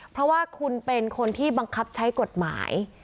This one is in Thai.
เพราะว่าคุณเป็นคนที่บังคับใช้กฎหมาย